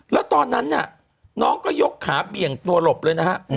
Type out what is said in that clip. แล้วตอนนั้นน่ะน้องก็ยกขาเบี่ยงตัวหลบเลยนะฮะ